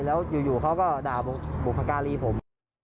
แล้วอยู่เขาก็ด่าบุพการีผม